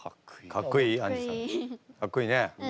かっこいいね。